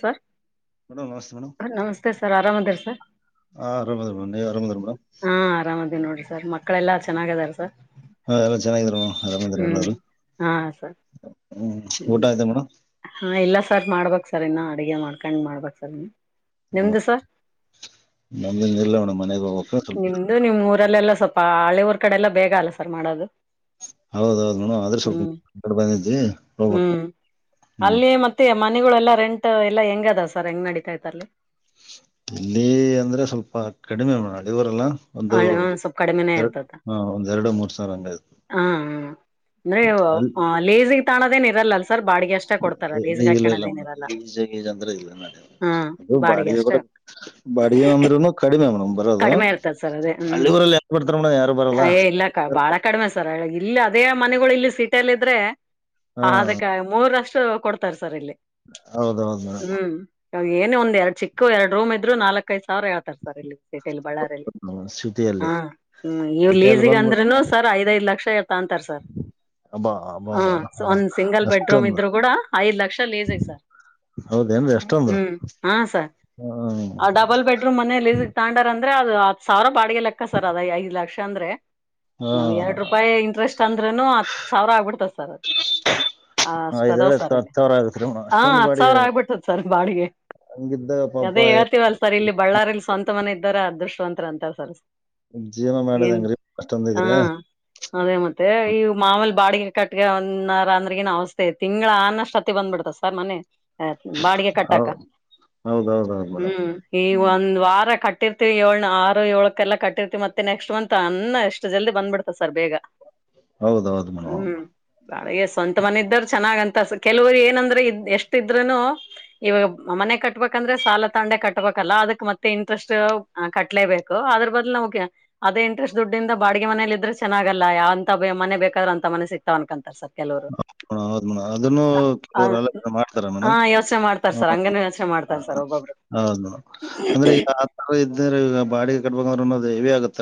Sir madam ನಮಸ್ತೆ madam ನಮಸ್ತೆ sir ಆರಾಮ್ ಅದ್ರ ಸರ್ ಹಾ ಆರಾಮದ ಮೇಡಮ್ ನೀವ್ ಆರಾಮದ್ರ ಮೇಡಮ್ ಹಾ ಆರಾಮದೇ ನೋಡ್ರಿ ಸರ್ ಮಕ್ಕಳೆಲ್ಲಾ ಚೆನ್ನಾಗಾರ ಸರ್ ಹಾ ಎಲ್ಲ ಚೆನ್ನಾಗಿದರು ಆರಾಮಿದ್ರ ಹ್ಮ್ ಎಲ್ಲರು ಹಾ ಸರ್ ಹ್ಮ್ ಹಾ ಇಲ್ಲ ಸರ್ ಮಾಡ್ಬಕ್ ಸರ್ ಇನ್ನ ಅಡಗೆ ಮಾಡ್ಕೊಂಡ್ ಮಾಡ್ಬೇಕಕ್ ಸರ್ ಇನ್ನು ನಿಮ್ದುಸ ನಮ್ದಿಂದ ಇಲ್ಲ ಮೇಡಮ್ ಮನೆಗೆ ಹೋಗ್ಬೇಕು ಸ್ವಲ್ಪ ನಿಮ್ದು ನಿಮ್ ಊರಲ್ಲೆಲ್ಲ ಸ ಹಳೆ ಊರ್ ಕಡೆ ಎಲ್ಲ ಬೇಗ ಅಲ್ಲ ಸರ್ ಮಾಡೋದು ಹೌದೌದು್ ನೋಡ ಆದ್ರೆ ಹ್ಮ್ ಸ್ವಲ್ಪ ಬಂದಿದ್ದಿ ಹ್ಮ್ ಅಲ್ಲಿ ಮತ್ತೆ ಮನೆಗಳುೆಲ್ಲಾ ರೆಂಟ್ ಎಲ್ಲ ಹೆಂಗ ಅದ ಸರ್ ಹೆಂಗ ನಡಿಕಾಯ್ತಲ್ಲಿ ಇಲ್ಲಿ ಅಂದ್ರೆ ಸ್ವಲ್ಪ ಕಡಿಮೆ ಮಾಡ ನಡಿವರಲ್ಲ ಒಂದು ಸ್ವಲ್ಪ ಕಡಿಮೆನೇ ಎರಡು ಇರ್ತದ ಹ ಒಂದ್ ಎರಡು ಮೂರ್ ಸಾವಿರ ಹಂಗ ಆ್ತು ಹಾ ಹ ಅಂದ್ರೆ ಅಲ್ಲಿ ಲೇಸಿಗೆಗ್ ತಾಣೋದೇನ್ ಇರಲ್ಲಲ್ ಸರ್ ಬಾಡಿಗೆ ಅಷ್ಟ ಕೊಡ್ತಾರ ಲೇಸಿಗೆ ಹಾಕಣದೇನ್ ಇರಲ್ಲ ಜಂದ ಇಲ್ಲ ಹಾ ನ ಬಾಡ ಬಾಡಿಗೆ ಅಷ್ಟೇ ಕೂಡ ಬಾಡಿಗೆನ ಅಂದ್ರುನು ಕಡಿಮೆಮ ಬರೋದು ಕಡಿಮೆ ಇರ್ತದ ಸರ್ ಅದೇ ಹ್ಮ್ ಹಳ್ಳಿ ಊರಲ್ಲಿ ಯಾರು ಬರ್ತಾರ ಮೋಡ ಯಾರು ಬರಲ್ಲ ಏ ಇಲ್ಲಕ್ಕ ಬಾಳ ಕಡಿಮೆ ಇಲ್ಲಿ ಅದೇ ಮನೆಗಳು ಇಲ್ಲಿ ಸಿೀಟಲ್ಲ ಇದ್ರೆ ಹಾ ಹ ಅದಕ್ಕ ಮೂರಷ್ಟ ಕೊಡ್ತಾರೆ ಸರ್ ಇಲ್ಲಿ ಹೌದೌದು ಏೇ ಒಂದ ಎರಡ್ ಚಿಕ್ಕ ಎರಡುೂ್ ಇದರು ನಾಲ್ಕ ಐದು ಸಾವರೇಳ್ತಾರೆ ಟಲ್ಲಿ ಬಳ್ಳಾರಲ್ಲಿ ಮೇಡಮ್ ಸಿಟಿಯಲ್ಲಿ ಹ ಹ್ಮ ಇವ ಸಿಟಿಯಲ್ಲಿ ಲೀಸಿಗೆ ಬಂದ್ಬಿಟ್ಟು ಅಂದ್ರೂನು ಸರ್ ಐದೈ್ ಲಕ್ಷ ತ ಅಂತಾರೆ ಸರ್ ಅಬ್ಬಾ ಅಬ್ಬಾ ಹ ಅಬ್ಬಾ ಒಂದ್ ಸಿಂಗಲ್ ಬೆಡ್ರೂಮ್ ಅಷ್ಟೊಂದು ಇದ್ರು ಕೂಡ ಐದ್ ಲಕ್ಷ ಲೇಸಿಗೆ ಸರ್ ಹೌದೇನ್ರಿ ಅಷ್ಟೊಂದು ಹ್ಮ್ ಹಾ ಸರ್ ಹ್ಮ್ ಡಬಲ್ ಬೆಡ್ರೂಮ್ ಮನೆಯಲ್ಲಿ ಸಿತ ಾಂಡರ್ ಅಂದ್ರೆ ಅದು ಹತ್ ಸಾವಿರ ಬಾಿಗೆ ಲೆಕ್ಕ ಸರ್ ಅದ್ ಐದ ಲಕ್ಷ ಅಂದ್ರೆ ನಾವ್ ಎರಡ್ ರೂಪಾಯಿ ಇಂಟ್ರೆಸ್ಟ್ ಅಂದ್ರೂನು ಹತ್ ಸಾವಿರ ಆಗ್ಬಿಡ್ತದ ಸರ್ ಅದ ಹ ಹಾ ಅಷ್ಟ ಐದೇಳು ಅದಾವ್ ಹತ್ತು ಸರ್ ಇಲ್ಲಿ ಹತ್ತು ಸಾವಿರ ಆಗತ್ರಿ ಹ ಅಷ್ಟೊಂದು ಹತ್ ಬಾಡಿಗೆ ಸಾವಿರ ಆಗ್ಬಿಟ್ಟದ ಸರ್ ಬಾಡಿಗೆ ಹಂಗಿದ್ದಾಗ ಪಾಪ ಅದೇ ಹೇಳ್ತೀವಲ್ ಸರ್ ಇಲ್ಲಿ ಬಳ್ಳಾರಿಲ್ಲಿ ಸ್ವಂತ ಮನೆ ಇದ್ದಾರ ಅದೃಷ್ಟವಂತರ ಅಂತ ಸರ್ ಜೀವನ ಮಾಡೋದ್ ಏನ್ ಹೆಂಗ್ರಿ ಅಷ್ಟೊಂದು ಹಾ ಇದ್ರೆ ಅದೇ ಮತ್ತೆ ಮತ್ತ ಈ ಮಾವೂಲಿ ಬಾಡಿಗೆ ಕಟ್ಗ ಅಾರ ಅಂದ್ರಗಏನ್ ಅವಸ್ಥೆ ತಿ್ಗಳ ಅನಷ್ಟ್ ಅತ್ತ ಬಂದ್ಬಿಡ್ತ ಸರ್ ಮನೆ ಆಯ್ತ್ ಬಾಡಿಗೆ ಕಟ್ಟಾಕ ಹೌದೌದು ಹೌದು ಮೇಡಮ್ ಹ್ಮ್ ಈಗ ಹ್ಮ್ ಒಂದ್ ವಾರ ಕಟ್ಟಿರ್ತಿೀವಿ ಏಳ್ ಆರು ಏಳಕಲ್ಲ ಕಟ್ಟಿರ್ತಿೀವಿ ಮತ್ತೆ ನೆಕ್ಸ್ಟ್ ಮಂತ್ ಅನ್ನ ಎಷ್ಟು ಜಲ್ದಿ ಬಂದ್ಬಿಡ್ತ ಸರ್ ಬೇಗ ಹೌದೌದು ಮೇಡಮ್ ಹ್ಮ್ ಬಾಳಗ ಸ್ವಂತ ಮನೆ ಇದ್ದರು ಚೆನ್ನಾಗಂತ ಕೆಲವರು ಏನಂದ್ರೆ ಇದ ಎಷ್ಟ ಇದ್ರೂನು ಇವಾಗ ಮನೆ ಕಟ್ಬೇಕಂದ್ರೆ ಸಾಲ ತಂಡೆ ಕಟ್ಬೇಕಲ್ಲಾ ಅದಕ್ ಮತ್ತೆ ಇ ಇಂಟ್ರೆಸ್ಟ್ ಕಟ್ಲೇಬೇಕು ಅದ್ರ ಬದ್ಲು ನಮ್ಗೆ ಅದೇ ಇಂಟ್ರೆಸ್ಟ್ ದುಡ್ಡಿಂದ ಬಾಿಗೆ ಮನೇಲಿ ಇದ್ರೆ ಚೆನ್ನಾಗಲ್ಲ ಯಾವಂತ ಮನೆ ಬೇಕಾದ್ರೂ ಅಂತ ಮನೆ ಸಿಗ್ತಾವ ಅನ್ಕಂತಾರೆ ಸರ್ ಕೆಲವರು ಹ ಹೌದು ಮೇಡಮ್ ಅದನ್ನು ಕೆಲವರು ಆಲೋಚನೆ ಮಾಡ್ತಾರೆ ಹ ಮೇಡಮ್ ಯೋಚನೆ ಮಾಡ್ತಾರ ಸರ್ ಹಂಗನ ಯೋಚನೆ ಮಾಡ್ತಾರ ಸರ್ ಒಬ್ಬೊಬ್ರು ಹೌದು ಅಂದ್ರೆ ಈಗ ಆ ತರ ಇದ್ರೆ ಈಗ ಬಾಡಿಗೆ ಕಟ್ಬಂಗಂದ್ರೆ ಅನ್ನೋದು ಹೆವೆ ಆಗುತ್ತೆ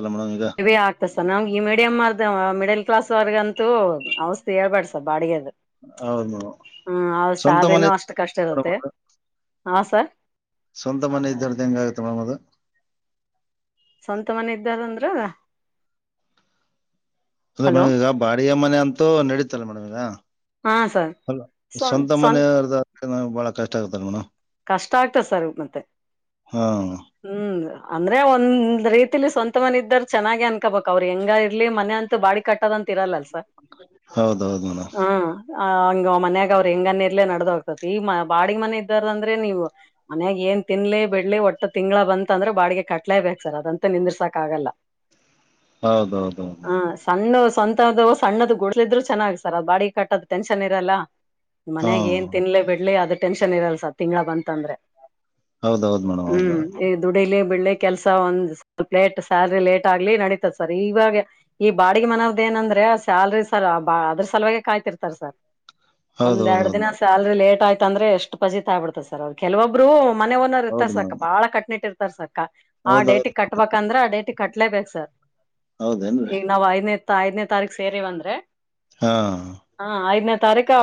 ಇವೇ ಆಗ್ತ ಸರ್ ನಂಗಗೆ ಇಮೇ ಮಡಿಯಂ ಮರ್ ಮಿಡಲ್ ಕ್ಲಾಸ್ ವರ್ಗಂತೂ ಔಷಿ ಹೇಳ್ಬೇಡ ಸ ಬಾಡಿಗೆದ ಹೌದು ಮೇಡಮ್ ಹ್ಮ ಅವ ಸ್ವಂತ ಮನೆ ಸ್ಯಾಲ್ರಿಿನೂ ಇತ್ತು ಅಷ್ಟ ಕಷ್ಟ ಇರುತ್ತೆ ಅದು. ಹ ಸರ್ ಸ್ವಂತ ಮನೆ ಇದ್ದಾರ್ದು ಹೆಂಗ ಆಗುತ್ತೆ ಮೇಡಮದು ಸ್ವಂತ ಮನೆ ಇದ್ದಾರಂದ್ರ ಅ ಹಲೋ ಮೇಡಮ್ ಈಗ ಬಾಿಯ ಮನೆ ಅಂತೂ ನಡೀತಲ್ಲ ಮೇಡಮ್ ಈಗ ಹಾ ಸರ್ ಅ ಸ್ವಂತ ಮನೆಯರ್ ಬಹಳ ಕಷ್ಟ ಆಗ್ತಾರ ಮೇಡ ಕಷ್ಟ ಆಗ್ತ ಸರ್ ಮತ್ತೆ ಹಾ ಹ್ಮ್ ಅಂದ್ರೆ ಒಂದ್ ರೀತಿಲಿ ಸ್ವಂತ ಮನೆ ಇದಾರ ಚೆನ್ನಾಗಿ ಅನ್ಕೋಬಕ್ ಅವ್ರ ಹೆಂಗ ಇರ್ಲಿ ಮನೆ ಅಂತ ಬಾಿ ಕಟ್ಟದ ಅಂತ ಇರಲ್ಲಲ್ ಸರ್ ಹೌದೌದುಣ ಆ್ ಹಂಗ ಮನ್ಯಾಗ ಅವ್ರರು ಹೆಂಗನ್ನಿ ಇರ್ಲೇ ನಡ್ದ ಹ್ತತಿ ಈಗ ಬಾಡಿಿಗೆ ಮನೆ ಇದ್ದಾರ ಅಂದ್ರೆ ನೀವು ಮನ್ಯಾಗ ಏನ್ ನ್ ತಿನ್ಲಿ ಬಿಡ್ಲಿ ಒಟ್ಟ ತಿಂಗಳ ಬಂತ ಅಂದ್ರೆ ಬಾಡಿಗೆ ಕಟ್ಲೇ ಬಕ್ ಸರ್ ಅದಂತ ನಿಂದರ್ಸಾಕ್ ಆಗಲ್ಲ ಹೌದೌ ಹೌ ಸ್ವಂತದ ಸಣ್ಣದ ಗುಡ್ಲಿದ್ರು ಚೆನ್ನಾಗ್ ಸರ್ ಅದ್ ಬಾಡಿ ಕಟ್ಟದ್ ಟೆನ್ಷನ್ ಇರಲ್ಲ ಹಾ ಮನ್ಯಾಗ ಏನ್ ತಿನ್ಲಿ ಬಿಡ್ಲಿ ಅದ ಟೆನ್ಷನ್ ಇರಲ್ಸ ತಿಂಗಗಳ ಬಂತ ಅಂದ್ರೆ ಹೌದೌದು ಮೇಡಮ್ ಹೌದು್ ದುಡಿಲಿ ಬೆಳ್ಳಿ ಕೆಲಸ ಒಂದ್ ಸ್ವಲ್ಪ್ ಲೇಟ್ ಸ್ಯಾಲ್ರಿ ಲೇಟ್ ಆಗ್ಲಿ ನಡೀತದ ಸರ್ ಈವಾಗ ಈ ಬಾ ಅಡಿಗೆ ಮನವದ ಏನಂದ್ರೆ ಸ್ಯಾಲ್ರಿ ಸರ್ ಅದ್ರ ಸಲುವಾಗಿ ಕಾಯ್ತಿರ್ತಾರ ಸರ್. ಒಂದ್ ಹೌದೌದು ಎರಡ್ ದಿನ ಹೌದು ಸ್ಯಾಲ್ರಿ ಲೇಟ್ ಆಯ್ತ ಅಂದ್ರೆ ಎಷ್ಟು ಪಜಿತತ ಆಬಿಡ್ತದೆ ಸರ್ ಅವ್ರರು ಕೆಲವೊಬ್ರು. ಮನೆ ಒನೋರ್ ಇರ್ತಾರ ಹೌದು ಮೇಡಮ್ ಹೌದು ಸಕ ಮೇಡಮ್ ಬಾಳ ಕಟ್ನಿಟ್ಟ ಇರ್ತಾರ್ ಸಕ ಆ ಹೌದೌದು ಡೇಟಿಗೆ ಕಟ್ಬೇಕಂದ್ರೆ ಆ ಡೇಟ್. ಕಟ್ಲೇಬೇಕು ಸರ್ ಹೌದೇನ್ರಿ ಈಗ ನಾವ್ ಐದನೇ ಐದನೇ ತಾರೀಕ ಸೇರಿವಂದ್ರೆ. ಹಾ ಹಾ ಐದನೇ ತಾರೀಕು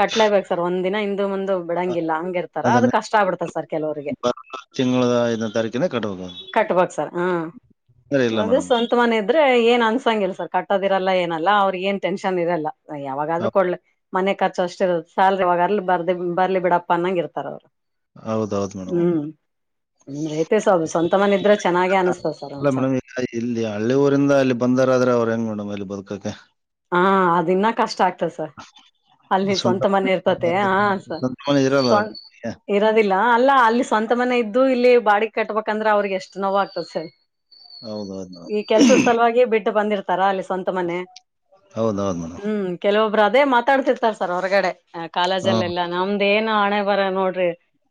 ಕಟ್ಲ ಬೇಕ್ ಸರ್ ಒಂದ್ ದಿನಮ. ದು ಮುಂದ ಅ- ಬಿಡಂಗಿಲ್ಲ ಹಂಗ ಇರ್ತಾರ ಅದು ಅದನ್ನ ಕಷ್ಟ ಆಗ್ಬಿಡ್ತದೆ ಸರ್ ಕೆಲವರಿಗೆ. ಬರೋ ತಿಂಗಳ ಐದನೇ ತಾರೀಕಿನ ಕಟ್ಟಬೇಕು ಕಟಬೇಕು ಸರ್ ಹಾ ಸರಿ ಇಲ್ಲ ಅ ಮೇಡಮ್ ಸ್ವಂತ ಮನೆ ಇದ್ರೆ. ಏನ್ ಅನ್ಸಂಗಿಲ್ಲ ಸರ್ ಕಟ್ಟೋದಿರಲ್ಲ ಏನಲ್ಲ ಅವ್ರಗ ಏನ್ ಟೆನ್ಷನ್ ಇರಲ್ಲ ಯಾವಾಗಾದ್ರೂ ಕೊಡ್ ಮನೆ. ಕರ್ಚು ಅಷ್ಟಿರದು ಸ್ಯಾಲ್ರಿವಾಗ ಅಲ್ಲಿ ಬರ್ದ ಬರ್ಲಿ ಬಿಡಪ್ಪ ಅಂಗ ಇರ್ತಾರ ಅವ್ರು. ಹೌದ್ದ್ ಮೇಡಮ್ ಹೌದ್ ಹ್ಮ್ ಮೇಡಮ್. ಅಂದ್ರೆ ಐತೆ ಸರ್ ಅದು ಸ್ವಂತ ಮನೆ ಇದ್ರೆ ಚೆನ್ನಾಗೆ ಅನಿಸ್ತದ ಸರ್ ಒಂದ್ ಸ್ವಲ್ಪ ಮೇಡಮ್ಗ ಇಲ್ಲಿ ಹಳ್ಳಿ ಊರಿಂದ ಅಲ್ಲಿ ಬಂದಾರ ಆದ್ರೆ ಅವ್ರ. ಮೇಡಮ ಅಲ್ಲಿ ಬದುಕಕ್ಕೆ. ಹಾ ಅದನ್ನ ಕಷ್ಟ ಆಗ್ತ. [inaudible] ಅಲ್ಲಿ ಸ್ವಂತ ಮನೆ ಇರ್ತತೆ ಹ ಮನೆ- ಸ. ಸ್ವಂತ ಮನೆ ಇರಲ್ಲ ಸ್ ಮೇಡಮ್. ಇರೋದಿಲ್ಲ ಅಲ್ಲ ಅಲ್ಲಿ ಸ್ವಂತ ಮನೆ ಇದ್ದು ಇಲ್ಲಿ ಬಾಡ. ಕಟ್ಬೇಕಂದ್ರೆ ಅವ್ರಿಗೆ ಎಷ್ಟು ನೋವ ಆಗ್ತದೆ ಸರ್. ಹೌದು ಹೌದು ಮೇಡಮ್ ಈ ಕೆಲ್ಸದ ಸಲುವಾಗಿಯ ಬಿಟ್ಟು ಬಂದಿರ್ತಾರಾ ಅಲ್ಲಿ ಸ್ವಂತ ಮನೆ. ಹೌದ ಹೌದು ಮೇಡಮ್. ಬ್ರು ಅದೇ ಮಾತಾಡ್ತಿರ್ತಾರೆ ಸರ್ ಹೊರಗಡೆ ಕಾಲೇಜ ಹಾ ಅಲ್ಲ ನಮ್ದ. ಏನ ಆಣೆ ಬರ ನೋಡ್ರಿ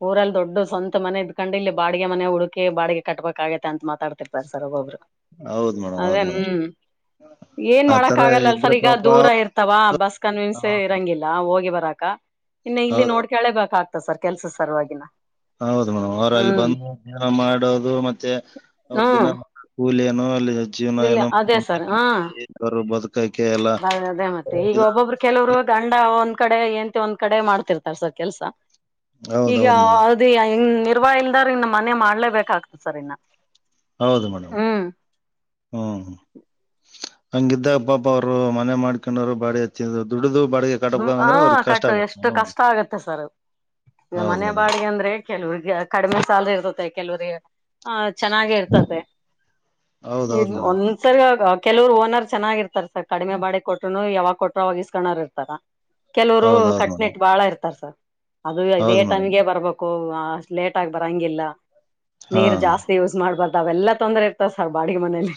ಊರಲ್ಲಿ ದೊಡ್ಡ ಸ್ವಂತ ಮನೆ ಇದ್ಕೊಂಡ್ ಇಲ್ಲಿ ಬಾಗೆ ಮನೆ ಹುಡುಕಿ ಬಾಡಿಗೆ ಕಟ್ಬ. [unintelligible] ಅಂತ ಮಾತಾಡ್ತಿ. ಸರ್ ಒಬೊಬ್ರು ಹೌದು ಮೇಡಮ್ ಅದೇ ಹೌದು ಮೇಡಮ್ ಹ್ಮ್ ಏನ್ ಮಾಡಕ್ ಆತರ ಆಗಲ್ಲಲ್. ಇದ್ರೆ ಸರಿ ಈಗ ಪಾಪ ದೂರ ಇರ್ತಾವ ಬಸ್ ಆ ಕನ್ವೀನ್ಸ್ ಇರಂಗಿಲ್ಲ ಹೋಗಿ ಬರಾಕ. ಇನ್ನು ಇಲ್ಲಿ ಹೌದು ನೋಡ್ಕೇಳೇಬೇಕಾಗ್ತ ಸರ್ ಕೆಲ್ಸ ಸರ್ವಾಗಿನ. ಹೌದು ಮೇಡಮ್ ಅವರ ಅಲ್ಲಿ ಹ್ಮ್ ಬಂದು ಧ್ಯಾನ ಮಾಡೋದು ಮತ್ತೆ ಅವ್ರ ದಿನ ಹ್ಮ್ ಕೂಲಿಯ. ಏ ಅಲ್ಲಿ ಜೀವನ ಇಲ್ಲ ಅದೇ ಸರ್ ಹಾ [inaudible] ಏನೋರು ಬದು. ಅದೇ ಮತ್ತೆ ಈಗ ಒಬ್ಬೊಬ್ರು ಕೆಲವರು ಗಂಡ. ಕಡೆ ಏಂತ ಒಂದ್ ಕಡೆ ಮಾಡ್ತಿರ್ತಾರೆ ಸ ಕೆಲ್ಸ ಈಗ ಹೌದೌದು ಮೇಡಮ್ ಅದು ಅಂಗ. ನಿರ್ವಹ ಇಲ್ದಾರ್ ಇನ್ನು ಮನೆ ಮಾಡ್ಲೇಬೇಕಾಗ್ತದೆ ಸರ್ ಇನ್ನ. ಹೌದು ಮೇಡಮ್ ಹ್ಮ್ ಹ್ಮ್. ಹಂಗ ಇದಿದ್ದ ಪಾಪ ಅವ್ರು ಮನೆ ಮಾಡ್ಕೊಂಡ್ರು ಬಾಡಿ ಹಚ್ಚಿದ್ ದುಡ್ದ. ಹ ಕಟ್ಟು ಎಷ್ಟು ಕಷ್ಟ ಆಗತ್ತೆ ಸರ್. ಈ ಹೌದು ಮನೆ ಮೇಡಮ್ ಬಾಡಿಗೆ ಅಂದ್ರೆ ಕೆಲವ್ರಿಗೆ ಕಡಿಮೆ ಸ್ಯಾಲರಿ ಇರ್ತತ್ತೆ ಕೆಲವರಿಗೆಗೆ ಆ. ಚೆನ್ನಾಗೆ ಇರ್ತತೆ ಇ ಹೌದೌದು ಮೇಡಮ್ ಒಂದ್ಸರಿ ಕೆಲವರು ಓನರ್ ಚೆನ್ನಾಗಿರ್ತ. ಇರ್ರ್ ಸರ್ ಕಡಿಮೆ ಬಾಡಿ ಕೊಟರುನು ಯಾವಾಗ ಕೊಟ್ರರು ಅವಾಗ ಇಸ್ಕೋರು ಇರ್ತಾರ. ಕೆಲವರು ಹೌದೌದು ಮೇಡಮ್ ಕಟ್ನಿಟ್ ಬಾಳ ಇರ್ತಾರ ಸರ್. ಅದು ಇದೇ ಹೌದು ಮೇಡಮ್ ಟೈಮ್ಗೆ ಬರ್ಬೇಕು ಅಷ್ಟ್ ಲೇಟ್ ಆಗ ಬರಂಗಿಲ್ಲ. ಹಾ ನೀರ್ ಜಾಸ್ತಿ ಯೂಸ್ ಮಾಡ್ಬಾರ್ದ ಅವೆಲ್ಲಾ ತೊಂದ್ರೆ ಇರ್ತಾವ. ಬಾಡಿಗೆ ಮನಲಿ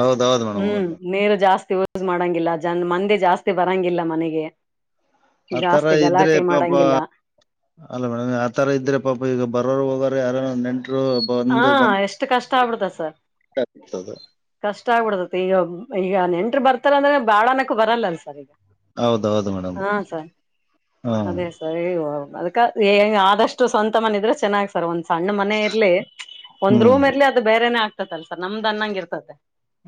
ಹೌದೌದು ಮೇಡಮ್ ಹೌದು ಹ್ಮ್ ಮೇಡಮ್ ನೀರು ಜಾಸ್ತಿ. ಯಸ್ ಮಾಡಂಗಿಲ್ಲ ಜನ್ ಮಂದೆ ಜಾಸ್ತಿ ಬರಂಗಿಲ್ಲ ಮನೆಗೆ. ಆತರ ಜಾಸ್ತಿ ಇದ್ರೆ ಗಲಾಟೆ ಪಾಪ. ಮಾಡಂಗಿಲ್ಲ ಅಲ್ಲ ಮೇಡಮ್ ಯತರ ಇದ್ರೆ ಪಾಪ ಈಗ ಬರೋರು ಹೋಗೋ ಯಾರಾರ. ಹಾ ಎಷ್ಟು ಕಷ್ಟ ಆಗ್ಬಿಡ್ತ ಸರ್. ಆಗ್ತದೆ ಇಷ್ಟ ಆಗ್ಬಿಡದೆ ಈಗ ಈಗ ನೆಂಟರು ಬರ್ತಾರಂದ್ರೆ ಬಾಳ ಅನಕು ಬರಲ್ಲಲ್ಲ ಸರ್ ಈಗ. ಹೌದೌದು ಮೇಡಮ್. ಹಾ ಸರ್ ಹ ಅದೇ ಸರಿ ಅದಕ ಆದಷ್ಟು ಸ. ಮ ಇದ್ರೆ ಚೆನ್ನಾಗ್ ಸರ್ ಒಂದ್ ಸಣ್ಣ ಮನೆ ಇರ್ಲಿ ಒಂದು ಹ್ಮ್ ರೂಮ್ ಇರ್ಲಿ ಅದು ಬೇರ. ಆಗ್ತ ಅಲ್ಸ ನಮ್ದ್ನಂಗೆ ಇರ್ತತೆ.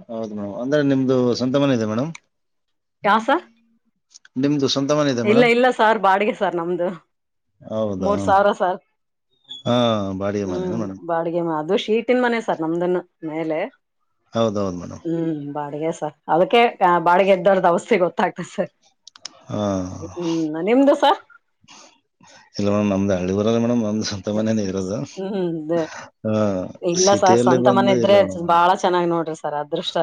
ಹೌದು ಮೇಡಮ್ ಅಂದ್ರೆ ನಿಮ್ದು ಸ್ವಂತ ಮನೆ ಇದೆ ಮೇಡಮ್. ಯಾ ಸರ್ ನಿಮದುು ಇಲ್ಲ ಇಲ್ಲ ಸಾರ್ ಬಾಡಿಗೆ ಸಾರ್ ನಮ್ದು ಹೌದಾ ಮೂರ್ ಸಾವಿರ ಸರ್ ಹಾ ಬಾಡಿಗೆ ಮನೆನಾ ಹ್ಮ್ ಮೇಡಮ್ ಬಾಡಿಗೆ ಮಾಧು ಕೀಟನ್ ಮನೆ ಸರ್ ನಮ್ದನ್ ಮೇಲೆ ಹೌದೌದು್ ಮೇಡಮ್ ಹ್ಮ್ ಬಾಡಿಗೆ ಸರ್ ಅದಕ್ಕೆ ಬಾಡಿಗೆ ಎದ್ದಾರ್ದು ಅವಸ್ಥೆ ಗೊತ್ತಾಗ್ತದೆ ಸರ್ ಹಾ ಹ್ಮ್ ನಿಮ್ದುಸ ಇಲ್ಲ ಮೇಡ್ ನಮ್ದ ಹಳ್ಳಿವರಲ್ಲ ಮೇಡ್ ನಮ ಸ್ವಂತ ಮನೇನ ಇರೋದು ಹ್ಮ್ ಹ ಇಲ್ಲ ಸರ್ ಸಿಟಿಯಲ್ಲಿ ಸ್ವಂತ ಬಂದು ಮನೆ ಇಲ್ಲ ಇದ್ರೆ ಮೇಡಮ್ ಒ ಬಾಳ ಚೆನ್ನಾಗ್ ನೋಡ್ರಿ ಸರ್ ಅದೃಷ್ಟ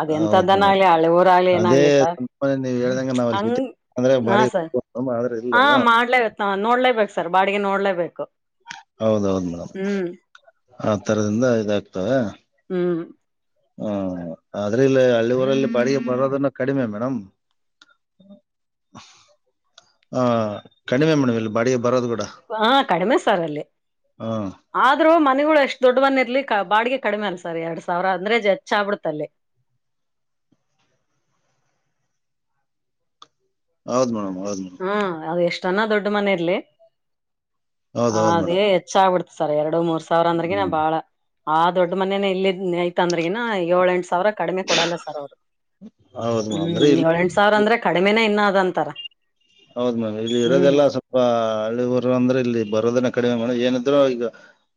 ಅದ್ ಹೌದ ಎಂತದ್ದನ ಮೇಡಮ್ ಆಗ್ಲಿ ಹಳೆ ಊರಾಗ್ಲಿ ಅದೇ ಏನಾಗ್ಲಿ ಸರ್ ಮ ನೀವ್ ಹೇಳ್ದಂಗ ನಾವ್ ಅಲ್ಲಿ ಹಂಗ್ ಅಂದ್ರೆ ಹಾ ಬಾಡಿಗೆ ಸರ್ ಆದ್ರೆ ಹಾ ಇಲ್ಲಲ್ಲ ಮಾಡ್ಲೇಬೇಕ ನೋಡ್ಲೇಬೇಕು ಸರ್ ಬಾಡಿಗೆ ನೋಡ್ಲೇಬೇಕು ಹೌದೌದು ಮೇಡಮ್ ಹ್ಮ್ ಆ ತರದಿಂದ ಇದಾಗ್ತವೆ ಹ್ಮ್ ಹಾ ಆದ್ರ ಇಲ್ಲ ಹಳ್ಳಿ ಊರಲ್ಲಿ ಬಾಡಿಗೆ ಬರೋದನ್ನ ಕಡಿಮೆ ಮೇಡಮ್. ಹ ಕಡಿಮೆ ಮೇಡಮ್ ಇಲ್ಲಿ ಬಾಡಿಗೆ ಬರೋದು ಬ. ಹ ಕಡಿಮೆ ಸರ್ ಅಲ್ಲಿ ಹ ಆದ್ರೂ ಮನೆಗಳು ಎಷ್ಟು ದೊಡ್ಡವನ್ನಿ. ಇ ಬಾಡ್ಗೆಗೆಕಡಿಮೆ ಅನ್ಸರ್ ಎರಡ್ ಸಾವಿರ ಅಂದ್ರೆ ಹೆಚ್ ಆಬಿಡುತ್ತಲ್ಲಿ. [unintelligible] ಹೌದ್ ಮೇಡಮ್. ಹೌದ್ ಮೇಡಮ್ ಹ್ಮ್ ಅದು್ ಎಷ್ಟನ ದೊಡ್ಡ ಮನ ಇರ್ಲಿ ಹೌದ್ ಹೌದ್ ಅದೇ ಮೇಡಮ್ ಹೆಚ್ಚ ಆಗ್ಬಿಡ್ತ. ಸರ್ ಎರಡು ಮೂರ್ ಸಾವಿರ ಅಂದ್ರಗಿನನ ಹ್ಮ್ ಬಾಳ ಆ ದೊಡ್ಡ ಮನೇನ ಇ ಐ್ತ್ ಅಂದ್ರಗಿನ ಏಳ ಎಂಟ್ ಸ. ಾವಿರ ಕಡಿಮೆ ಕೊಡಲ್ಲ ಸರ್ ಅವರು ಹೌದ್ ಮೇಡಮ್ ಅಂದ್ರೆ ಇಲ್ಲಿ ಹ್ಮ್ಏಳಂು ಸಾವಿರ ಅಂದ್ರೆ ಕಡಿಮೆ ಇ. ಅದಂತರ. ಹೌದ್ ಮ್ಯಾಮ್ ಇಲ್ಲಿ ಇರೋದೆಲ್ಲ ಸ್ವಲ್ಪ ಹಳ್ಳಿ ಊರು ಅಂದ್ರೆ ಇಲ್ಲಿ ಬರೋದನ. ಕಡಿಮೆ ಮಾಡ ಏನಾದ್ರು ಈಗ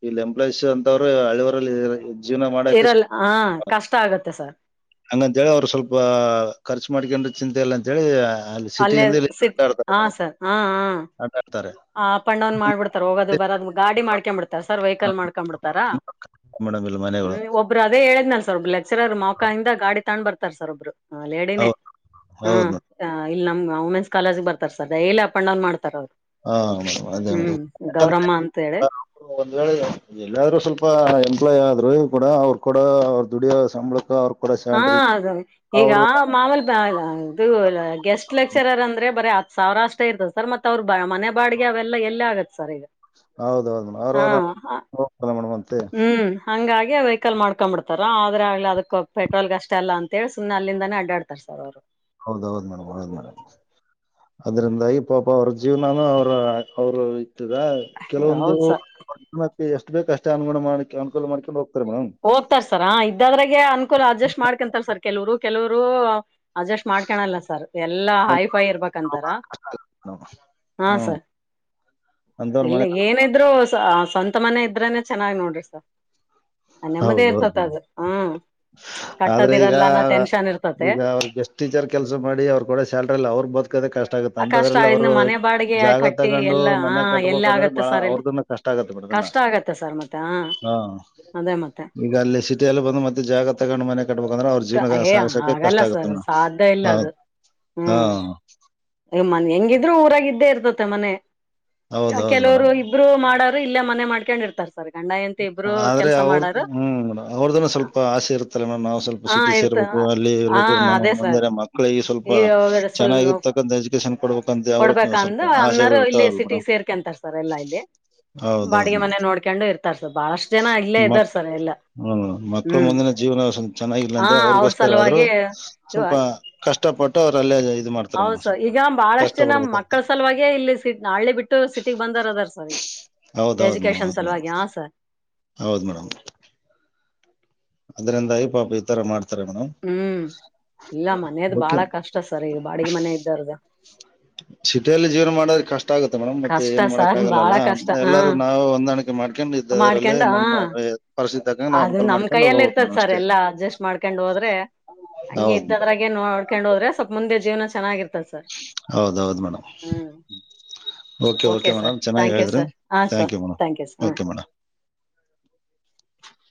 ಇಲ್ಲಿ ಎಂಪ್ಲಾಯ್ಸ್ ಅಂತವ್ರಹಳ್ಳಿವರಲ್ಲಿ. ಇರಲ್ಲ ಹಾ ಕಷ್ಟ ಆಗತ್ತೆ ಸರ್. ಹಂಗಂತ ಹೇಳಿ ಅವರು ಸ್ವಲ್ಪ ಖರ್ಚು ಮಾಡ್ಕನ್್ರ ಚಿಂತೆ ಇಲ್ಲ ಅಂತೇಳಿ. ಅಲ್ಲಿ ಅಲ್ಲೇ ಸಿಟಿಯಿಂದ ಇಲ್ಲಿ ಸಿ ಆಡ್ತಾರೆ ಹಾ ಮೇಡಮ್ ಸರ್ ಹಾ ಹಾ. ಆಟ ಆಡ್ತಾರೆ ಆ ಅಪ್ ಅಂಡ್ ಡೌನ್ ಮಾಡ್ಬಿಡ್ತಾರ ಹೋಗೋದು ಬರೋದು ಗಾಡಿ ಮಾಡ್ಕೊ್ ಬಿಡ್ತಾರ ಸರ್ ವೆಹಿಕಲ್ ಮಾಡ್ಕೊಂಡ್ ಬಿಿಡ್ತಾರ. ಮೇಡಮ್ ಇಲ್ಲಿ ಮನೆಗಳು ಹ್ಮ್ ಒಬ್ರು ಅದೇ ಹೇಳದ್ ನನ್. ಲೆಕ್ಚರರ್ ಮಕ ಗಾಡಿ ತ್ ಬರ್ತಾರೆ ಸರ್ ಒಬ್ರು ಲೇಡಿನೇ ಹೌದ್ ಹ ಹೌದು ಮೇಡಮ್ ಇಲ್ಲಿ ನಮ್ ಉಮೆನ್ಸ್ ಕಾಲೇಜ್ ಬರ್ತಾರೆ sir daily up and down ಮಾಡ್ತ ಅವರು. ಹಾ ಮೇಡಮ್ ಅದೇ ಹ್ಮ್ ಮೇಡಮ್ ಯಾಕಂದ್ರೆ ಗೌರಮ್ಮ ಅಂತ ಹೇಳಿ. ಒಂದ್ ವೇಳೆ ಎಲ್ಲಾದ್ರು ಸ್ವಲ್ಪ ಎಂಪ್ಲಾಯ್ ಆದ. ಕೂಡ ಅವ್ರು ಕೂಡ ಅವ್ರ ದುಡಿಯ ಸಂಬಳಕ ಅವ್ರ. ಕೂಡ ಹಾ ಸ್ಯಾಲ್ರಿ ಅದು ಈಗ ಅವ್ರು ಮಾಮೂಲ್ ಇದು ಗೆಸ್ಟ್ ಲೆಕ್ಚರರ್ ಅಂದ್ರೆ ಬರೀ. ಸೌರಾಷ್ಟ್ರೇ ಇರ್ತದ ಸರ್ ಮತ್ತ ಅವ್ರ ಬ ಮನೆ ಬಾಡಿಗೆ ಅವೆಲ್ಲ ಎಲ್ಲೇ ಆಗತ್ತ ಸರ್ ಈಗ. ಹೌದೌದು ಹಾ ಅವ್ರ ಮಾಡ ಹ್ಮ್ ಹಂಗಾಗಿ ವೆಹಿಕಲ್ ಮಾಡ್ಕೊಂಡ್ ಬಿಿಡ್ತಾರ ಆದ್ರೆ ಆಗ್ಲಿ ಅದಕ್ಕ ಪೆಟ್ರೋಲ್ಗ್ ಅಷ್ಟ ಅಲ್ಲ ಅಂತಿ ಸುಮ್ಮನೆ ಅಲ್ಲಿಂದಾನೇ ಅಡ್ಡಾಡ್ತಾರ ಸರ್ ಅವ್ರು. ಹೌದ್ ಹೌದು್ ಮೇಡಮ್ ಹೌದ್ ಮೇಡಮ್. ಅದ್ರಿಂದಾಗಿ ಪಾಪ ಅವ್ರ ಜೀವನಾನು ಅವ್ರ ಅವರು. ತದ ಹೌದ್ ಸರ್ ಕೆಲವೊಂದುಕ್ಕೆ ಎಷ್ಟು ಬೇಕ ಅಷ್ಟೇ ಅನು ಮಾಡಕ ಅನುಕೂಲ ಮಾಡ್ಕೊಂಡ ಹೋಗ. ಹೋಗ್ತಾರ ಸರ ಇದ್ದಾದ್ರಾಗೆ ಅನುಕೂಲ ಅಡ್ಜಸ್ಟ್ ಮಾಡ್ಕೊಂತಾರ ಸರ್ ಕೆಲವರು ಕೆಲವರು. ಅಡ್ಜಸ್ಟ್ ಮಾಡ್ಕಣಲ್ಲ ಸರ್ ಎಲ್ಲಾ ಹೈಫೈ ಇರ್ಬೇಕಂತಾರ. ಹ್ಮ್. ಅಂತವ್ರ ಇಲ್ಲಿ ಮನೆ ಏನಿದ್ರು ಸ್ವಂತ ಮನೆ ಇದ್ರನೆ ಚೆನ್ನಾಗಿ್ ನೋಡ್ರಿ ಸರ್. ನೆಮ್ಮದೇ ಹೌದೌದು ಇರ್ತತ್ ಮೇಡಮ್ ಅದು ಹ್ಮ. ಆದ್ರೆ ಈಗ ಇರ್ತತೆ ಈಗ ಅವ ಎಷ್ಟ್ ಟೀಚರ್ ಕೆಲ್ಸ ಮಾಡಿ ಅವ್ರ ಕೂಡ ಸ್ಯಾಲ್ರಿ ಇಲ್ಲ ಅವ್ರ ಬದುಕದೆ ಕಷ್ಟ. ಕಷ್ಟ ಆಗುತ್ತ ಆ ಕಷ್ಟ ಅಂತದ್ರಲ್ಲಿ ಇನ್ನು ಅವ್ರು ಮನೆ ಬಾಡಿಗೆ ಜಾಗ ಕಟ್ಟಿ ತಗೊಂಡು ಎಲ್ಲ ಹಾ ಮನೆ ಎಲ್ಲ ಕಟ್ಬಬೇಕ ಅಂದ್ರೆ ಆಗತ್ತೆ ಬಾಳ ಸರ್ ಇಲ್ಲಿ ಅವ್ರದನ್ನ ಕಷ್ಟ ಆಗತ್ತೆೇಡಮ್ ಕಷ್ಟ ಆಗತ್ತೆ ಸರ್ ಮತ್ತೆ ಹಾ. ಅದೇ ಮತ್ತೆ. ಈಗ ಅಲ್ಲಿ ಸಿಟಿಲ್ಲ ಬಂದು ಮತ್ತೆ ಜಾಗ ತಗೊಂಡು ಮನೆ ಕಟ್ಬಬೇಕಂದ್ರೆ ಅವ್ರ ಕ- ಜೀವನಕ್ಕೆ ಏ ಸಹಸೋಕೆ ಕಷ್ಟ ಆಗಲ್ಲ ಆಗುತ್ತೆ ಸರ್ ಮೇಡಮ. ಸಾಧ್ಯ ಇಲ್ಲ ಅದು. ಹಾ. ಮ್ಮ ಹೆಂಗಿದ್ರು ಊರಾಗಿದ್ದೇ ಇರ್ತತೆ ಮನೆ. ಹೌದೌದ್ ಕೆಲವರು ಇಬ್ರು ಮಾಡಾರರು ಇಲ್ಲೇ ಮನೆ ಮಾಡ್ಕೊಂಡ್ ಇರ್ತಾರ. ಸರ್ ಗಂಡ ಹೆಂಡತಿ ಇಬ್ರು ಆದ್ರೆ ಕೆಲಸ ಅವ್ರ ಮಾಡಾರು ಹ್ಮ್್ ಅವ್ರದನ್ನ ಸ್ವಲ್ಪ ಆಸೆ ಇರ್ತ್ತಲ್ಲ ಮೇಡಮ್ ನಾ್ ಸ್ವಲ್ಪ ಹಾ ಸಿ್ಧಿ ಸೇರ್. ಇರ್ತ ು ಅಲ್ಲಿ ಹಾ ಇರ್ಬೇಕು ನಮ್ಮ ಅದೇ ಸರ್ ಮುಂದರೆ ಮಕ್ಕಳಿಗೆ ಸ್ವಲ್ಪ ಈಗ ಸ್ವಲ್ಪ ಚೆನ್ನಾಗಿರ್ತಕ್ಕಂಥ ಎಜುಕೇೇಶನ್. ಕೊಡ್ಬೇಕಂದ ಅನ್ನರು ಇಲ್ಲಿ ಇರ್ತಾವಲ್ ಸಿಟಿ ಸೇರ್ಕ ಅಂತಾರ ಸರ್ ಎಲ್ಲಾ ಇಲ್ಲಿ. ಹೌದೌದ್ ಬಾಡಿಗೆ ಮನೆ ನೋಡ್ಕೊಂಡು ಇರ್ತಾರ ಸರ್ ಬಹಳಷ್ಟು ಜನ ಇಲ್ಲೇ ಮಕ್ ಇದ್ದಾರ್ ಸರ್ ಎಲ್ಲಾ. ಹ್ಮ್ ಮಕ್ಕಳ ಮುಂದಿನ ಜೀವನ ಆ ಚೆನ್ನಾಗಿಲ್ಲಂತೆ ಅವ್ರ ಅವ್ರಿಗೋಸ್ಕರ ಆದ್ರರು ಸಲುವಾಗೆ ಇವ ಸ್ವಲ್ಪ ಕಷ್ಟ. ಕಷ್ಟಪಟ್ಟು ಅವರಲ್ಲಿ ಇರ್ತಾರೆ. ಹೌದ್ ಸರ್ ಈಗ ಬಹಳಷ್ಟ್ ಜನ ಮಕ್ಕಳ ಸಲುವಾಗೆ ಇಲ್ಲಿ ನಳೆ ಬಿಟ್ಟು ಸಿಟಿಗ್ ಬಂದಾರ ಅದಾರ ಸರ್ ಈಗ. ಎಜುಕೇಶನ್ ಸಲುವಾಗಿಿಯ ಹಾ ಸರ್. ಹೌದು ಮೇಡಮ್. ಐ ಪಾಪ ಈ ತರ ಮಾಡ್ತಾರೆ. ಮೇಡಮ್ ಹ್ಮ್ ಇಲ್ಲ ಮನೇದ ಓಕೆ ಬಾಳ ಕಷ್ಟ ಸರ್ ಈಗ ಬಾಡಿಗೆ ಮನೆ ಇದ್ದಾರ್ದ. ಸಿಟಿಯಲ್ಲಿ ಜೀವನ ಮಾಡೋದ ಕಷ್ಟ. ಇಷ್ಟ ಆಗುತ್ತೆ ಮೇಡಮ್ ಮತ್ತೆ ಕಷ್ಟ ಏನ್ ಮಾಡಕ ಸರ್ ಬಾಳ ಆಗಲ್ಲ ಕಷ್ಟ ಹಾ ಎಲ್ಲರೂ ನಾವು ಹೊಂದಾಣಿಕೆ ಮಾಡ್ಕೊಂಡು ಇದ್ದ ಅರಲ್ಲಿ ಮಾಡ್ಕೊಂಡ್ ಹ ನಮ್ಮ. ಪರಿಸ್ಥಿತಿ ತಕ್ಕಂಗೆ ನಾವು ಅದು ಅನುಕೂಲ ನಮ್ ಮಾಡ್ಕೊಂಡು ಕೈಯಲ್ಲಿ ಹೋಗ್ಬೇಕು ಇರ್ತದ ಮೇಡಮ್ ಸರ್ ಅಷ್ಟೇ ಎಲ್ಲಾ ಅಡ್ಜಸ್ಟ್ ಮಾಡ್ಕೊಂಡ್ ಹೋದ್ರೆ. ಹಂಗೆ ಹೌದ್ ಮೇಡಮ್ ಇದ್ದದ್ರಾಗ ನೋಡ್ಕೊಂಡ್ ಹೋದ್ರೆವಲ್ಪ ಮುಂದೆ ಜೀವನ. ಚೆನ್ನಾಗಿರ್ತದ ಸರ್ ಹೌದೌದು ಮೇಡಮ್. ಹ್ಮ್ ಓಕೆ ಓಕೆ ಸರ್ ಮೇಡಮ್ ಚೆನ್ನಾಗಿ ಥ್ಯಾಂಕ್ ಯು ಹೇಳಿದ್ರಿ ಸರ್ ಹಾ thank sir you madam thank sir ಹ್ಮ ಓಕೆ ಮೇಡಮ್. [unintelligible]